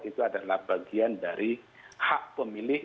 itu adalah bagian dari hakomileh